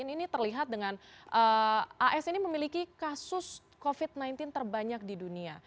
ini terlihat dengan as ini memiliki kasus covid sembilan belas terbanyak di dunia